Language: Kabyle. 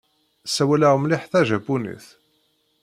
Ssawaleɣ mliḥ tajapunit.